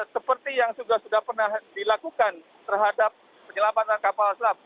seperti yang sudah sudah pernah dilakukan terhadap penyelamatan kapal selam